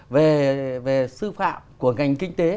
về sư phạm của ngành kinh tế